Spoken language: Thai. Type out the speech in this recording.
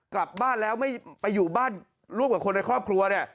กลับบ้านแล้วไม่ไปอยู่บ้านร่วมกับคนในครอบครัวเนี่ย